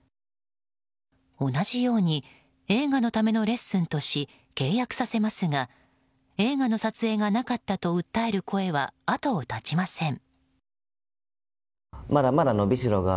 同じように映画のためのレッスンとし、契約させますが映画の撮影がなかったと訴える声は後を絶ちません。